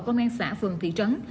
công an xã phường thị trấn